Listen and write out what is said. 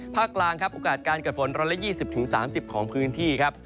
กลางครับโอกาสการเกิดฝน๑๒๐๓๐ของพื้นที่ครับ